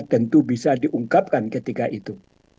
tentu bisa diungkapkan ketika itu